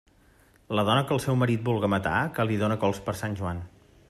La dona que al seu marit vulga matar, que li done cols per Sant Joan.